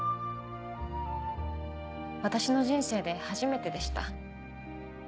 私の人生で初めてでした。